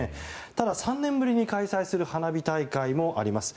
ただ、３年ぶりに開催する花火大会もあります。